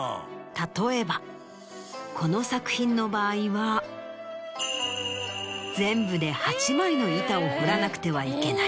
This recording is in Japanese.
例えばこの作品の場合は全部で８枚の板を彫らなくてはいけない。